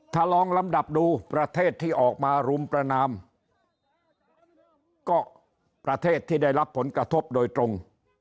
ถ้าลองลำดับดูประเทศที่ออกมารุมประนามก็ประเทศที่ได้รับผลกระทบโดยตรง